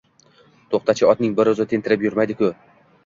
To`xta-chi, otning bir o`zi tentirab yurmaydi-ku